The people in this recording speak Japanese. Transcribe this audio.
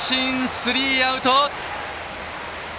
スリーアウト！